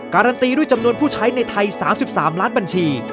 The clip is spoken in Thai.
การันตีด้วยจำนวนผู้ใช้ในไทย๓๓ล้านบัญชี